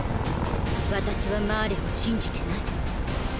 私はマーレを信じてない。